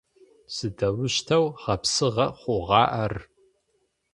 Сыдэущтэу гъэпсыгъэ хъугъа ар?